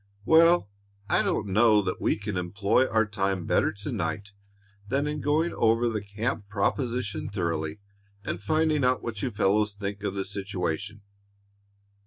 "Well, I don't know that we can employ our time better to night than in going over the camp proposition thoroughly and finding out what you fellows think of the situation."